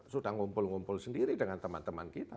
sudah ngumpul ngumpul sendiri dengan teman teman kita